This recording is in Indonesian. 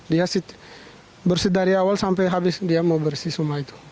dia bersih dari awal sampai habis dia mau bersih semua itu